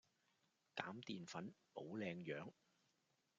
減澱粉保靚樣